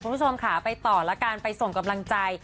คุณผู้ชมค่ะไปต่อแล้วกันไปส่งกำลังใจ